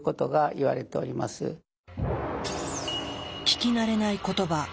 聞きなれない言葉